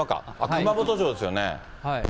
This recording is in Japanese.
熊本城ですよね。